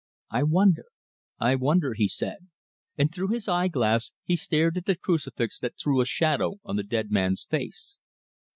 "I wonder I wonder," he said, and through his eyeglass he stared at the crucifix that threw a shadow on the dead man's face.